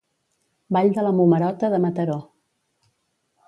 Ball de la Momerota de Mataró